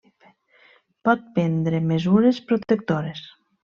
Pot prendre mesures protectores.